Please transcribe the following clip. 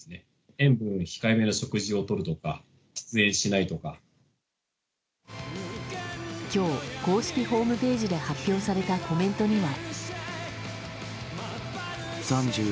塩分控えめの食事をとるとか今日、公式ホームページで発表されたコメントには。